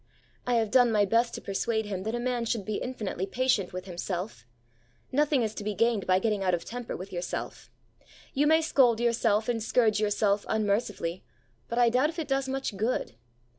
I have done my best to persuade him that a man should be infinitely patient with himself. Nothing is to be gained by getting out of temper with yourself. You may scold yourself and scourge yourself unmercifully; but I doubt if it does much good.